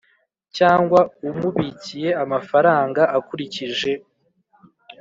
cyangwa umubikiye amafaranga akurikije